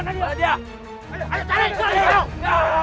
jangan kiedy berikutnya